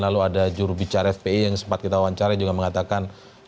lalu ada jurubicara fpi yang sempat kita wawancara juga mengatakan